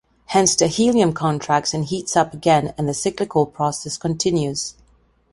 Hence the helium contracts and heats up again and the cyclical process continues.